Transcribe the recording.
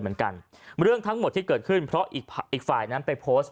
เหมือนกันเรื่องทั้งหมดที่เกิดขึ้นเพราะอีกฝ่ายนั้นไปโพสต์